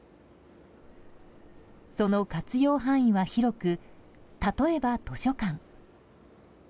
その活用範囲は広く例えば図書館。